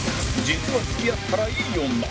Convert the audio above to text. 実は付き合ったらイイ女